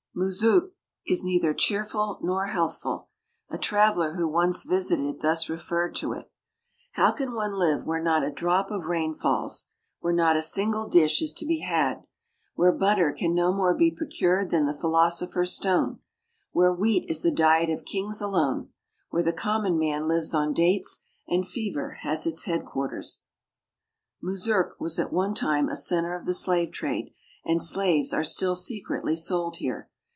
Murzuk is neither cheerful nor healthful. A traveler who once visited it thus referred to it: " How can one live where not a drop of rain falls, where not a single dish is to be had, where butter can no more be procured than the phi losopher's stone, where wheat is the diet of kings alone, where the common man lives on dates, and fever has its headquarters }" Murzuk was at one time a center of the slave trade, and slaves are still secretly sold here.